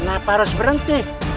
kenapa harus berhenti